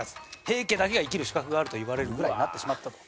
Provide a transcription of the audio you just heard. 平家だけが生きる資格があるといわれるぐらいになってしまったと。